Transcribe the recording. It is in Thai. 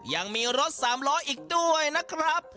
ยังมีรถสามล้ออีกด้วยนะครับ